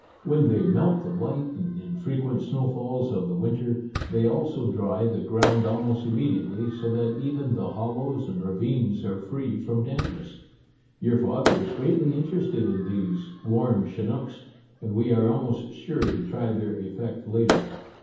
When they melt the light and infre quent snowfalls of the winter, they also dry the ground almost immediately, so that even the hollows and ravines are free from dampness. Your father is greatly interested in these i warm chinooks/ and we are almost sure to try their effect later.